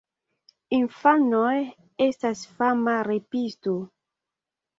Infanoj: "Estas fama repisto!"